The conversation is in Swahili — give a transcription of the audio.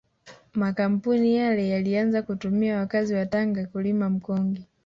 Makampuni yale yalianza kutumia wakazi wa Tanga kulima mkonge